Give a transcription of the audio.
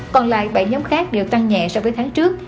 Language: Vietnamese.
còn lại bảy nhóm khác đều tăng nhẹ so với tháng trước